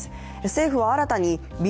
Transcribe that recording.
政府は新たにＢＡ．